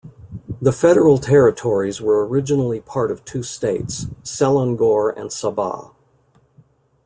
The federal territories were originally part of two states - Selangor and Sabah.